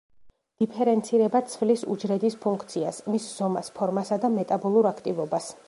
დიფერენცირება ცვლის უჯრედის ფუნქციას, მის ზომას, ფორმასა და მეტაბოლურ აქტივობას.